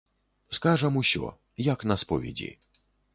Скажам усё, як на споведзі.